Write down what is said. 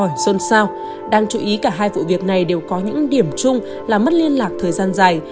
hỏi dơn sao đáng chú ý cả hai vụ việc này đều có những điểm chung là mất liên lạc thời gian dài